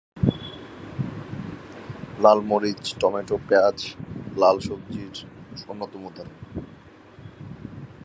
লাল মরিচ, টমেটো, পেঁয়াজ লাল সবজির অন্যতম উদাহরণ।